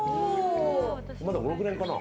まだ５６年かな。